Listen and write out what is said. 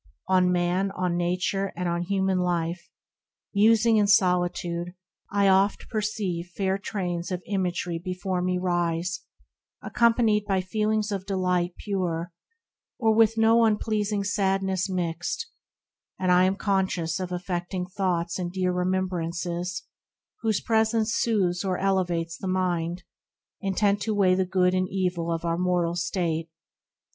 On Man, on Nature, and on Human Life, Musing in solitude, I oft perceive Fair trains of imagery before me rise, E 50 THE RECLUSE Accompanied by feelings of delight Pure, or with no unpleasing sadness mixed ; And I am conscious of affecting thoughts And dear remembrances, whose presence soothes Or elevates the Mind, intent to weigh The good and evil of our mortal state.